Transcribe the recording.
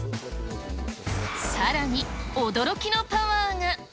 さらに、驚きのパワーが。